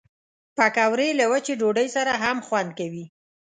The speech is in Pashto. پکورې له وچې ډوډۍ سره هم خوند کوي